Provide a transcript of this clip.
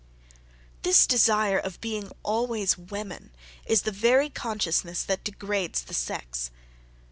This desire of being always women, is the very consciousness that degrades the sex.